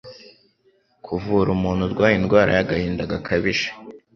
kuvura umuntu urwaye indwara y'agahinda gakabije